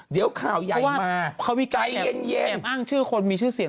เดี๋ยวข่าวยัยมาเพราะว่าเขาวิกันแอบแอบอ้างชื่อคนมีชื่อเสียง